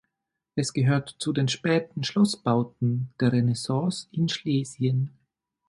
Es gehört zu den späten Schlossbauten der Renaissance in Schlesien.